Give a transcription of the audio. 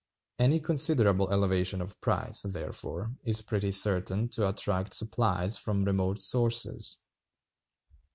Any considerable elevation of price, therefore, is pretty certain to attract supplies from remote sources.